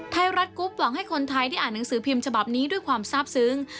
ไทยรัฐกรุ๊ปหวังให้คนไทยที่อ่านหนังสือพิมพ์ฉบับนี้ด้วยความทราบซึ้ง